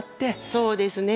そうですね。